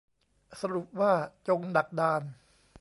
สรุปว่าจงดักดาน